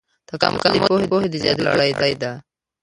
تکامل د پوهې د زیاتېدو لړۍ ده.